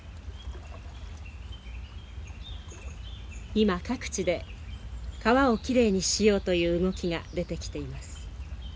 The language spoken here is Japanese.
今各地で川をきれいにしようという動きが出てきています。